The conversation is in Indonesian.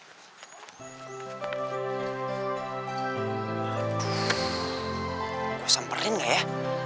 aduh gue samperin gak ya